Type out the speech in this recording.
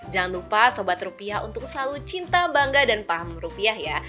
jangan lupa sobat rupiah untuk selalu cinta bangga dan paham rupiah ya